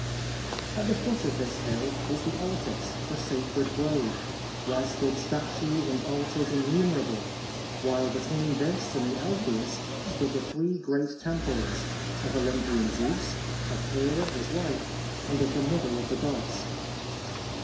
At the foot of this hill was the Altis, the sacred grove, where stood statues and altars in numerable ; while between this and the Alpheus stood the three great temples — of Olympian Zeus, of Hera his wife, and of the Mother of the Gods.